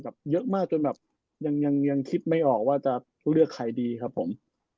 เยอะมากจนแบบยังคิดไม่ออกว่าจะเลือกใครดีครับผม